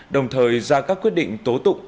đồng thời ra các quyết định tố tụng